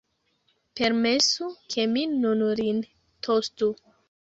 Permesu, ke mi nun lin tostu!